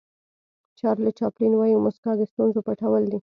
چارلي چاپلین وایي موسکا د ستونزو پټول دي.